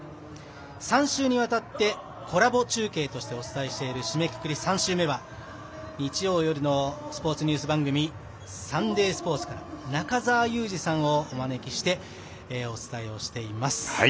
３週にわたってコラボ中継としてお伝えしている締めくくり３週目は日曜夜のスポーツニュース番組「サンデースポーツ」から中澤佑二さんをお招きしてお伝えしています。